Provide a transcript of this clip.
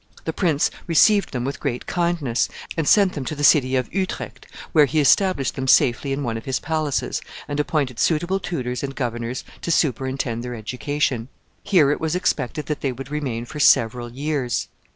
The prince received them with great kindness, and sent them to the city of Utrecht, where he established them safely in one of his palaces, and appointed suitable tutors and governors to superintend their education. Here it was expected that they would remain for several years.